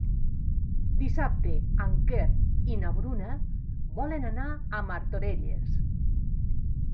Dissabte en Quer i na Bruna volen anar a Martorelles.